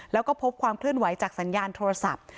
แล้วก็พบความเคลื่อนไหวจากสัญญาณโทรศัพท์